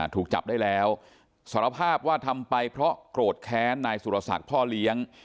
ถูกจับได้แล้วสารภาพว่าทำไปเพราะโกรธแค้นนายสุรศักดิ์พ่อเลี้ยง